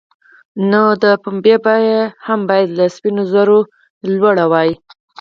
نو د پنبې بیه هم باید له سپینو زرو لوړه وای.